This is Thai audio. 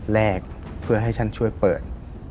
แรกเพื่อให้ฉันช่วยเปิด